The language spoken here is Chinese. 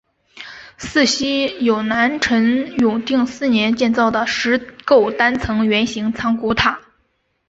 寺西有南陈永定四年建造的石构单层圆形藏骨塔。